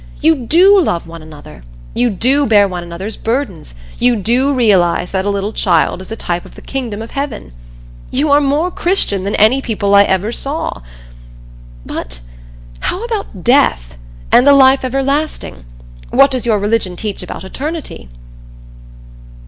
You do love one another you do bear one another's burdens you do realize that a little child is a type of the kingdom of heaven. You are more Christian than any people I ever saw. But how about death? And the life everlasting? What does your religion teach about eternity?"